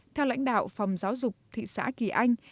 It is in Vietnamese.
theo lãnh đạo phòng giáo dục thị xã kỳ anh